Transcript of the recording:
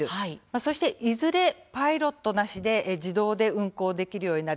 そして、いずれパイロットなしで自動で運航できるようになる。